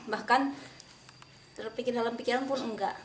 bahkan pikir pikir dalam pikiran pun enggak